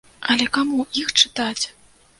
Але каму іх чытаць?